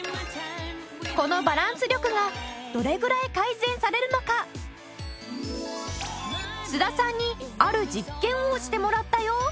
このバランス力がどれぐらい改善されるのか須田さんにある実験をしてもらったよ。